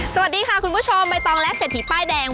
สวัสดีค่ะคุณผู้ชมใบตองและเศรษฐีป้ายแดง